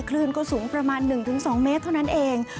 คลื่นก็สูงประมาณ๑๒เมตรเท่านั้นเอง